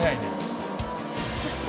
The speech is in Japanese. そして。